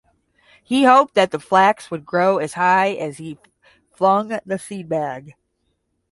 He hoped that the flax would grow as high as he flung the seedbag.